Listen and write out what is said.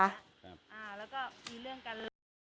แล้วก็มีเรื่องกัน